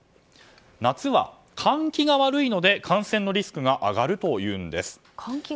夏は換気が悪いので感染のリスクが上がるというんです。